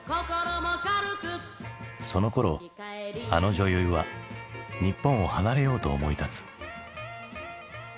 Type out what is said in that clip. そのころあの女優は日本を離れようと思い立つ。